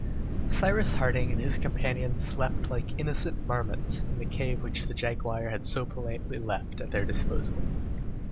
Cyrus Harding and his companions slept like innocent marmots in the cave which the jaguar had so politely left at their disposal.